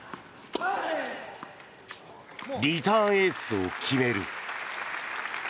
リターンエースを決める。